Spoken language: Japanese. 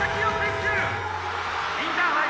インターハイ